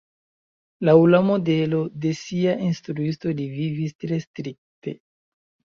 Laŭ la modelo de sia instruisto li vivis tre strikte.